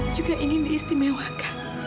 juga ingin diistimewakan